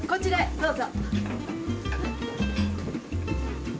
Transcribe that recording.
どうぞ。